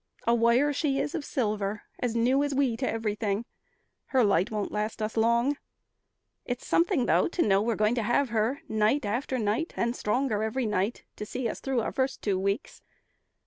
A wire she is of silver, as new as we To everything. Her light won't last us long. It's something, though, to know we're going to have her Night after night and stronger every night To see us through our first two weeks.